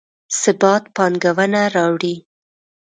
ثبات پانګونه راوړي